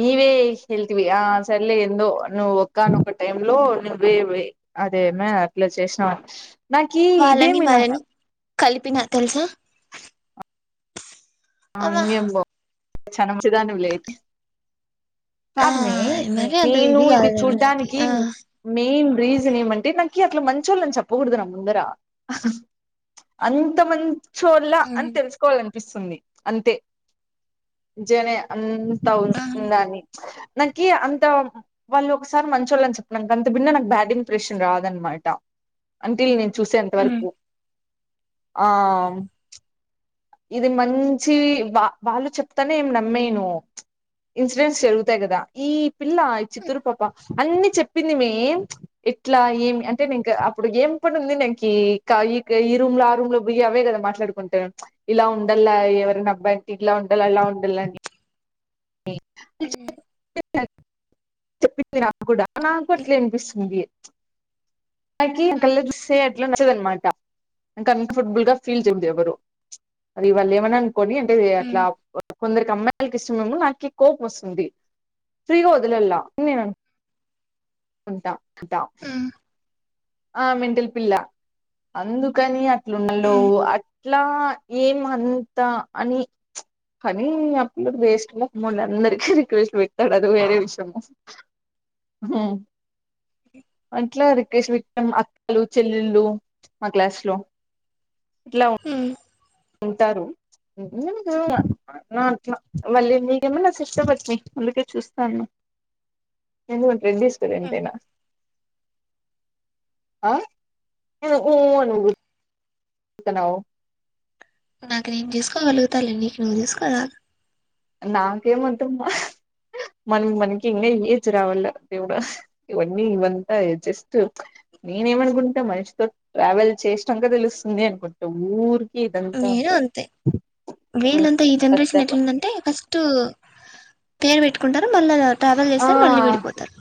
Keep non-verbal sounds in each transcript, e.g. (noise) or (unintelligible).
నవే హల్తవి ఆ సర్లే ఎందో నువ్వు ఒక్కానొక్క టైమ్ లో నువ్వే అదే మ అట్లా చేసినా వాళ్ళని వాళ్ళని కలిపిన తెలుసా ఆ అమ్మా ఇంకేం పో చాలా మంచిదనివి అయితే ఆ కాదు మే మరి అంత నేను ఇది కాదులేవే నాకి చూడ్డానికి ఆ మెయిన్ రీజన్ ఏమంటే నాకి అట్లా మంచి వాళ్ళుని చెప్పకూడదు నా ముందర అంతమంత చోర్లా అని తెలుసుకోవాలనిపిస్తుంది అంతే జనే అ అంత వుందా అని నాకి అంత వాళ్ళు ఒకసారి మంచి వాళ్ళుని చెప్పక అంత బిన్న నాకు బ్యాడ్ ఇంప్రెషన్ రాదనమాట అంట నేను చూసే అంత వరకు ఆ ఇది మంచి వా వాళ్ళు చెప్తానే ఏం నమ్మేను ఇన్సిడెంట్స్ జరుగుతాయి కదా ఈ పిల్ల ఈ చిత్తూరు పాప అన్ని చెప్పింది మే ఎం ఇట్లా ఏమి అంటేనేనింక అప్పుడు ఏం పనుంది ఉంది నాకీ క ఈ రూమ్ లో ఆ రూమ్ లో అవ్వే కదా మాట్లాడుకుంటా ఇలా ఉండాల ఎవరైనా అబ్బాయికి ఇలా ఉండాలి అలా ఉండాలని చెప్పింది నాక్ కూడా నాకు అట్లే ఇనిపిస్తుంది నాకీ అక్కల్లా చూస్తే నచ్చదనమాట నా కాన్ఫోర్బుల్గా ఫీల్ చేదు ఎవరు అది వాల్ ఏమన్నా అనుకోని అంటే అట్లా కొందరికి అమ్మాయి వాళ్కి ఇష్టమెమో నాకీ కోప్మోస్తుంది ఫ్రీగా వదిలెల్ల నేన్ అన్ కుంటా ఉంటా ఆ మెంటల్ పిల్ల అందుకని అట్లుండలో ఇట్లా ఏం అంతా అని కానీ ఆ పిల్లకి వేస్ట్ మోకమోల్ అందరికీ రిక్వెస్ట్ పెట్టినాడ్ అది వేరే విషయము హు అట్లా రిక్వెస్ట్ పెట్ టం అక్కలు చెల్లెళ్ళు మా క్లాస్ లో ఇట్లా ఉంటారు నన్నేం పిల్వలా నాన్ అనట్లా మళ్ళీ నీకేమన్న సిస్టర్ పట్న అందుకే చూస్తాఉన్న ఎందుకు రెడ్డీస్ కదా ఎంతైనా ఆ ఉ ఊ అనింది టానవ్ నాకు నేను చేసుకోగలుగుతా లే నీకు నువ్వు చేసుకోవా నాకేం ఓద్దమ్మా మనం మనకి ఇంకా ఏజ్ రావాల దేవుడ ఇవన్నీ ఇవంతా జస్ట్ నేనేమనుకుంటా మనిషితో ట్రావెల్ చేసినంక తెలుస్తుంది అనుకుంటా ఊర్ నేను అంతే వీళ్ళంతా ఈ జనరేషన్ పెద్ద ఎట్లుందంటే ఫస్ట్ టు పేరు పెట్టుకుంటారు మళ్ళా ట్రావెల్ ఆ చేస్తారు మళ్ళీ విడిపోతారు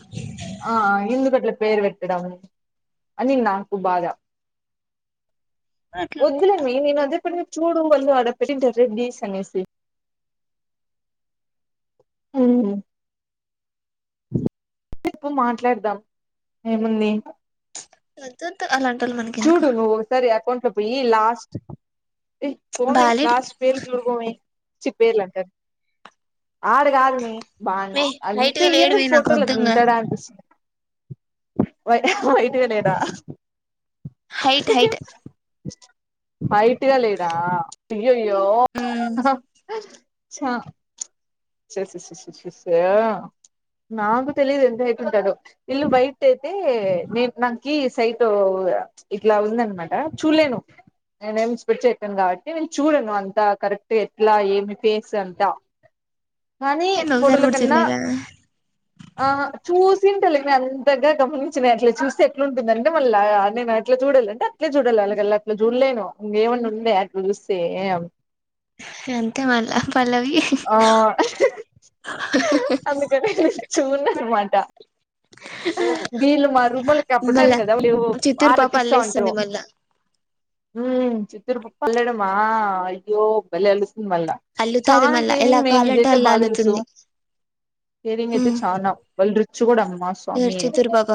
ఆ ఎందుకు అట్లా పేరు పెట్టడం అని నాకు బాధ అట్లా వద్దులే మే నేను అదేపనిగా చూడు వళ్ళు ఆడ పెట్టింటర్ రెడ్డీస్ అనేసి హు హ్ ఇప్పుడు మాట్లాడదాం ఏముంది ఒద్దోద్దు చూడు నువ్వు సరి అకౌం ట్ పోయి లాస్ట్ ఏహ్ పోవే బాలేడు లాస్ట్ పేరు చూరు పోవే చిప్పేర్లంటారు ఆడ కాదు మే బాన్ వే హైట్ అంతే గా లేడు వే ఎందుకు నాకు ఫోటోల వద్దు ఇంగ అట్లుంటాడ్ అనిపిస్తుంది వై వైట్ గా లేడా హైట్ హైట్ హైట్ గా లేడా అయ్యోయ్యో మ్మ్ చా చ చ చ చ సా నాకు తెలీదు ఎంత హైట్ ఎంతుంటాడో ఇల్లు బయట అయితే నేను నాకి సైట్ ఇట్లా ఉందనమాట చూలేను నేనేంస్పట్ వేట్టాను కాబట్టి నేను చూడను అంతా కరెక్ట్ ఎట్లా ఏమి ఫేస్ అంతా కానీ ఏంది ఒకసారి ఫోటోల కూడా కన్నా చూడలేదా ఆ చూస్ చూసింటలే అంతగా గమనించినయి అట్లా చూస్తే ఎట్లా ఉంటుంది అంటే మళ్ళ ఆగ అట్లా చూడాలి అంటే అట్లే చూడాలి వాళ్గల్లా అట్లా చూడలేను ఇంకేమన్నా ఉండే అట్లా చూస్తే గంతే మళ్ళ ఆ అందుకంట నేన్ చూడ్నంమాట్ టా వీళ్ళు మా రూములకి మళ్ళా అప్పుడను కదా చిత్తూరు పాప ఆబట్టిస్తా అల్లేస్తుంది ఉంటారు మళ్ళా హ్మ్మ్ చిత్తూరుపు పల్లెడమా అయ్యో బలే అలు మ్ మల్ల అల్లుతాది చానే మళ్ళా ఎలా కేరింగ్ మే కావాలంటే ఇదైతే అలా బాగా తెలుసు అల్లుతుంది కేరింగ్ అయితే చాలనా వాళ్ళు రుచ్ కూడా అమ్మ ఎవర్ స్వామి చిత్తూరు పాప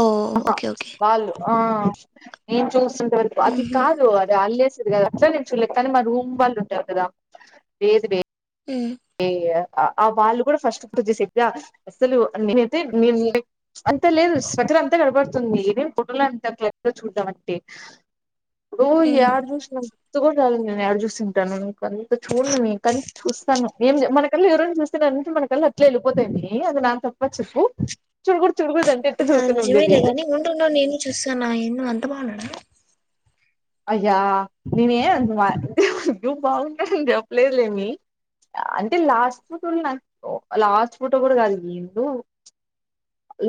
ఓ ఆహా ఓకే ఓకే వాళ్ళు ఆ నేను చూసిత్త వరకు అది కాదు అది అల్లే కదా అట్లా నేను చూడలేదు కానీ మా రూమ్ వాళ్ళు ఉంటారు కదా బెద్బెద్ ఏయా ఆ వాళ్ళు కూడా ఫస్ట్ కొద్దిసేపుగా అసలు నేనైతే నే అంత లేదు స్ అంతా కడపడుతుంది నేను పొట అంతా కేర్గా చూడడం అంటే ఇప్పుడు ఎడ చూసిన గుత్తుగూడా రాదు మే నేను ఎడ చూసింటానో ఇంకంతా చూడ్న్ను మీ కానీ చూస్త ఏం మన కల్లా ఎవరైని చూస్తారంటే మన కల్లా అట్లే వెళ్ళిపోతాయి మే అది నాకు తప్ప చెప్పు చూడ నిజమేలే గాని ఉండుండవు నేను చూస్తాన్నా ఏందో అంత బాగున్నాడా అయ్యా నేనే అంతా బా అయ్యో బాగుంటాడు అనీ చెప్పలేదులే మే అంటే లాస్ట్ ఫోటోల నాకు లాస్ట్ ఫోటో కూడా కాదు ఏందో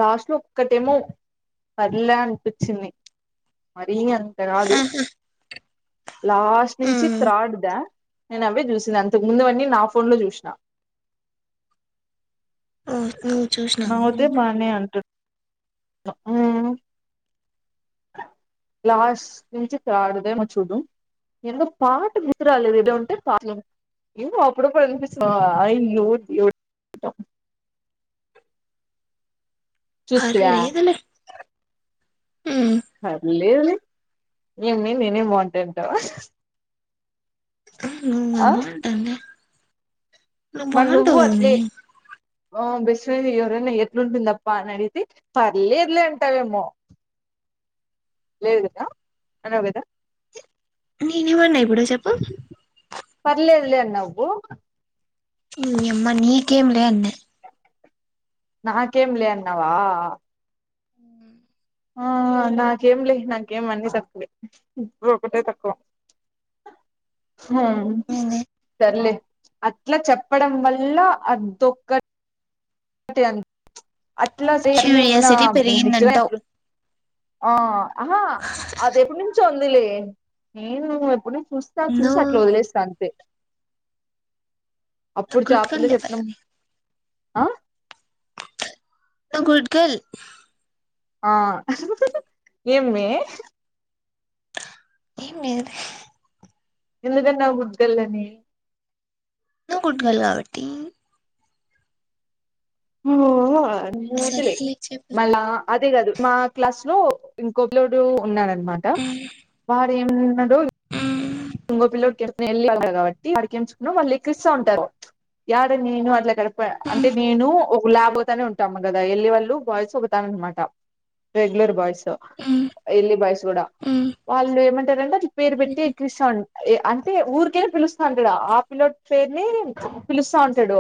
లాస్ట్ లో ఒక్కటేమో పర్లే అనిపించింది మరీ అంత కాదు అ లాస్ట్ నుంచి థర్డ్దా నేను అవే చూసింది అంతకు ముందువన్నీ నా ఫోన్ లో చూసినా ఆ ఉ నవ్వితే బానే ఉంటుంద్ ఆ లాస్ట్ నుంచి థర్డ్ది ఏమో చూడు ఏందో పాటు గుర్తురాలేదు ఏదో ఉంటే పాటల్ ఏమో అప్పుడప్పుడు అనిపిస్తా అయినూర్ (unintelligible) చూస్తివా పర్లేదులే పర్లేదులే ఏం మే నేనే బాంటా అంటావా ఉమ్ నేన్ ఆ మాటా అన్లా మళ్ళ నువ్వు అట్లే ఆ బేస్ తీ ఎవరన్న ఎట్లుంటుందప్ప అని అడిగితే పర్లేదులే అంటావేమో లేదు కదా అనవు కదా నిలువన్న ఎప్పుడో చెప్పు నవ్వు నీ అమ్మ నీకేంలే అన్న నాకేంలే అన్నావా ఆ నాకేం లే నాకేం అన్ని తక్కువలే ఇ ఒకటే తక్కువ హుమ్ ఏంది సర్లే అట్లా చెప్పడం వల్ల అద్దొక్క తేన్ అట్లా చే ఏమనా క్యూరియాసిటీ నిజమే పెరిగిందంటావు అట్ ఆ ఆహా అది ఎప్పటి నుంచో ఉందిలే నేను ఎప్పుడు నించ్ చూస్తా చూసా నువ్వు అట్లా వదిలేస్తా అంతే అప్పుడు నువ్వు గుడ్ చాపిల్ల గర్ల్ చెప్పిన లెవెల్ ఆ నువ్వ్ గుడ్ గర్ల్ ఆ ఏ అమీ ఎం లేద్ ఎందుదన్నా గుడ్ గర్ల్ అని గుడ్ గర్ల్ కాబట్టి ఓహ్ సర్లే (inaudible) చెప్పు మళ్ళ అదే కాదు మా క్లాస్ లో ఇంకొబలోడు ఉన్నాడునమాట వారు ఏమిన్నా ఇంగో పిలోడు వెళ్డు కాబట్టి అక్కకిేంచుకున్నా వాళ్ళ ఎ క్రిస్తా ఉంటారు ద నేను అట్లా అంటే నేను ఒక లాబ్ అవుతానే ఉంటా కదా వెళ్లి వాళ్ళు బాయ్స్ ఒకతాననమాట రెగ్యులర్ బాయ్స్ ఎల్లి బాయ్స్ కూడా వాళ్ళు ఏమంటారంటే అ పేరు పెట్టి ఎక్కిరిస్తా ఉం అంటే ఊరికే పిలుస్తా ఉంటాడు ఆ పిల పేరుని పిలుస్తా ఉంటాడు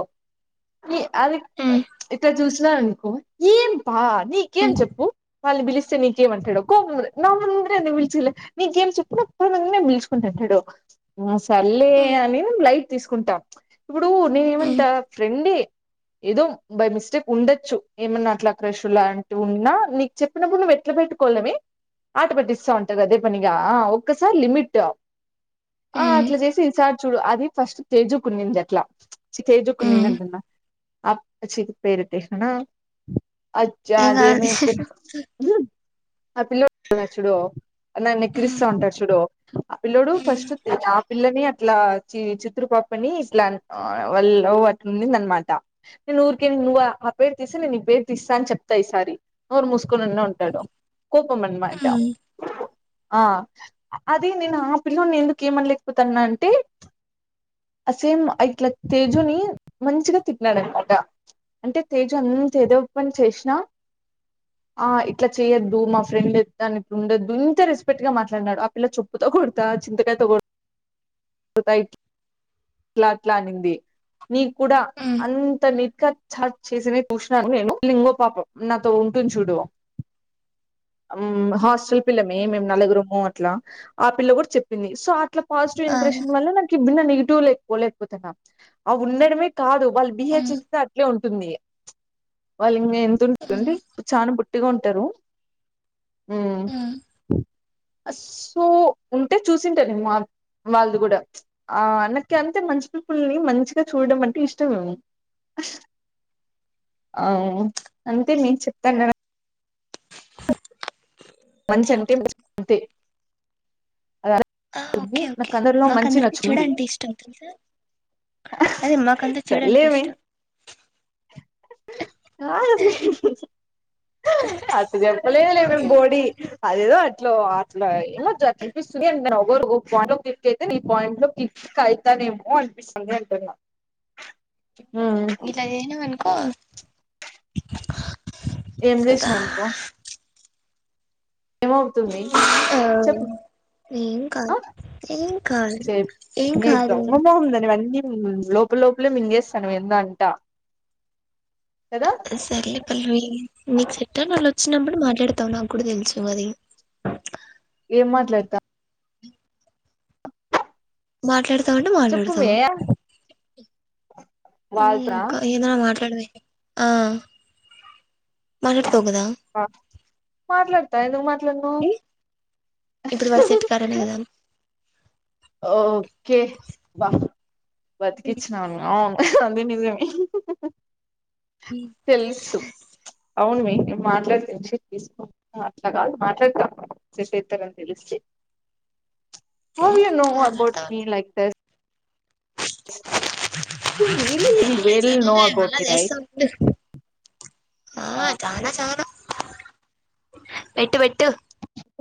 న అది ఇక్కడ చూసిననుకో ఏం పా నీకేం చెప్పు వాళ్ళని పిలిస్తే నీ గేమ్ అంటాడు గో నా ముందేలిచిలే నీ గేమ్ చెప్పుినప్పుడుిచుకో టడు సల్లేే అని న ైట్ తీసుకుంటా ఇప్పుడు నేనే ఏమంటా ఫ్రెండే ఏదో బై మిస్టేక్ ఉండొచ్చు ఏమన్నా అట్లా క్రెష్ లాంటివి ఉన్నా నీకు చెప్పినప్పుడు నువ్వు ఎట్లా పెట్టుకోవడమే ఆటోపట్స్తా ఉంటంది కదే పనిగా ఒక్కసారి లిమిట్ ఆ అట్లా చేసి ఈసార్ చూడు అది ఫస్ట్ తేజుకున్నింది అట్లా చ కేేజుకు నిందంటన్నా అ చికి పేరుటే అనా అచ్చ (inaudible) ఏం కాదు ఆ పెళోడు ఉన్నాడు చూడు నా నెక్లిస్ ఉంటాడు చూడు ఆ పిల్లడు ఫస్ట్ ఆ పిల్లని ఇట్లా చి చిత్రపపని ఇట్లా వాళ్ళ్ అట్ంది అనమాట నేను ఊరికె నువ్ ఆ పేరు తీసిే నేను ఈ పేరు తీస్తా అని చెప్తా ఈసారి నవ్రు మూసుకొనిన్నా ఉంటాడు కోపం మనమాటం ఆ అదే నేను ఆ పిల్ల ఎందుకు ఏమనలేకపోతాన్నా అంటే అ సేమ్ ట్ల తేజుని మంచిగా తిప్పినాడు అనమాట అంటే తేజు అంత ఏదో పని చేసినా ఆ ఇట్లా చెయ్యొద్దు మా ఫ్రెండ్ాని ఇ ఉండొదు ఇంత రెస్పెక్ట్ గా మాట్లాడనాడు ఆ పిల్ల చెప్పు తో కొడుతా చింతకాయతో కొ ఇట్లా అట్లా అనింది నీ కూడా అంత ని చార్ చేసిన చూసినాను నేను లింగో పాపం నాతో ఉంటుంది చూడు హాస్టల్ పిల్లమే మేము నలుగు రూము అట్లా ఆ పిల్ల కూడా చెప్పింది సో అట్లా పాజిటివ్ ఇంప్రెషన్ వల్ల నాకు ఇన్న నెగిటివ్ లేకపోలేకపోతేనా ఆ ఉండడమే కాదు వాళ్ళు బిహేవ్ చేసే అట్లే ఉంటుంది వాళ్ళ ఇం ఎంతతుంటుందిండి ఇడు చాన పుట్ ఇట్టిగా ఉంటారు అ సో ఉంటే చూసింట న మా వాళ్ళది కూడా ఆ అన్నకి అంతే మంచి పిల్పుల్ని మంచిగా చూడడం అంటే ఇష్టమేము అవు అంతే నేను చెప్తాన్నారు మంచంత దేవుడా ప అ ఆ ఓకే ఓకే మాకు అందరికి చూడ నచ్చుతుంది అంటే ఇష్ట అవుతుంది సార్ అదే మాకంత చెడూ అంటే సర్లేవే ఇష్టం ప చెప్పలే లే మేం బోడి అది అట్లో అట్లా ఏమ అనిపిస్తుంది అ న ఎరు ఒక పాయింట్ లో ఫిఫ్ట్ అయితే నీ పాయింట్ లో ఫిఫ్ట్కి అవుతానేమో అనిపిస్తుంది అంటున్నా ఉమ్ ఇలాది ఏనా అన్కు ఏం చేసిననుకో ఏమవుతుంది చెపు ఏం కాదు ఏం కాదు స ఏం మీ కాదు దొంగమాగుందనివన్నీ లోప లోపలే మింగేస్తానువు ఏందో అంత సర్ సర్లే పల్లవి మీకు సెట్ అవన్లత్ చిన్నప్పుడు మాట్లాడతావ్ నా కూడా తెల్సు అది ఏం మాట్లాడత మాట్లాడతావ్ అంటే మాట్లాడతావ్ చెప్పుమే హ్మ్ వాళ్ళతోనా ఇంకా ఏదన్నా మాట్లాడవే ఆ మాట్లాడతావ్ కదా మాట్లాడతా ఎందుకు మాట్లాడాను ఇప్పుడు వాళ్ళు సెట్ కారనే కదా ఓకే బ బతికిచ్చనవ్ అవును అది నిజమే తెలుసు అవును మీ మాట్లాడి (unintelligible) తీస్కో. ఆ అట్లా కాదు మాట్లాడతా (unintelligible) తెలిస్తే హౌ యు నో అబౌట్ మాట్లాడతావు మీ like that you really well know సర్లే అబౌట్ మళ్ళా మీ చేస్తా రైట్ ఉండు ఆ చానా చానా పెట్టు పెట్టు